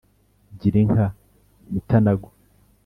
Gira inka Mitanago